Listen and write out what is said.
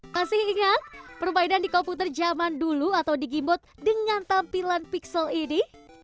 masih ingat perbaikan di komputer zaman dulu atau di gimbot dengan tampilan pixel ini